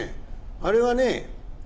「あれはねぇ。